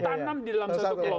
yang di tanam di dalam satu kelompok